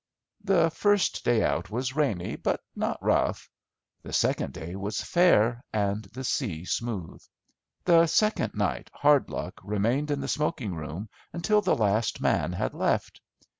The first day out was rainy but not rough; the second day was fair and the sea smooth. The second night Hardlock remained in the smoking room until the last man had left.